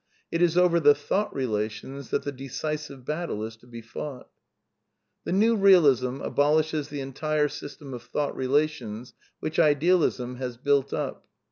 It is over the "thought relations" that the decisive battle is to be fought. The New Eealism abolishes the entire system of thought relations which Idealism has built up.